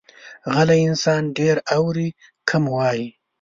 غلی انسان، ډېر اوري، کم وایي.